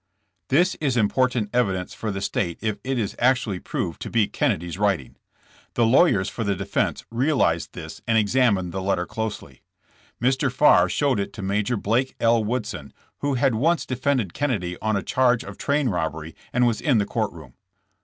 This is important evidence for the state if it is actually proved to be Kennedy's writing. The law yers for the defense realized this and examined the letter closely. Mr. Farr showed it to Major Blake L. Woodson, who had once defended Kennedy on a charge of train robbery and was in the court room.